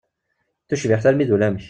D tucbiḥt armi d ulamek!